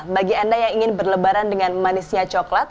bagi anda yang ingin berlebaran dengan manisnya coklat